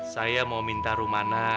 saya mau minta rumana